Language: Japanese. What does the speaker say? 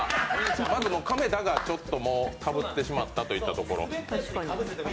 まず亀田がかぶってしまったといったところ。